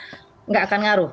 tidak akan ada pengaruh